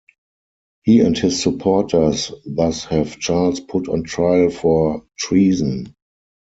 He and his supporters thus have Charles put on trial for treason.